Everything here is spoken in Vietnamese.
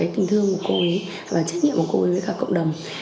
tình thương của cô ấy và trách nhiệm của cô đối với cả cộng đồng